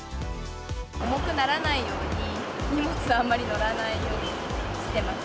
重くならないように、荷物をあんまり載らないようにしてます。